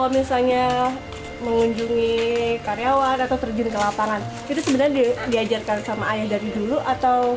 misalnya mengunjungi karyawan atau terjun ke lapangan itu sebenarnya diajarkan sama ayah dari dulu atau